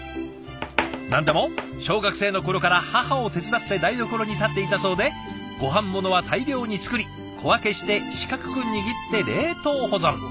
何でも小学生の頃から母を手伝って台所に立っていたそうでごはんものは大量に作り小分けして四角く握って冷凍保存。